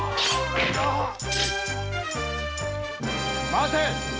待て！